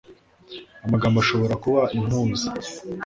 amagambo ashobora kuba impuza